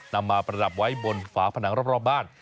นำมาประดับไว้บนฝาผนังรอบบ้าน